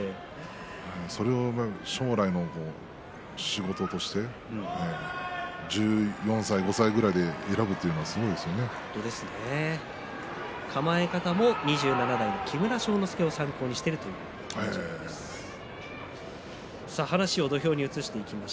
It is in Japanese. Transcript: それを将来の仕事として１４歳、１５歳ぐらいで構え方も２７代の木村庄之助を参考にしているという玉治郎です。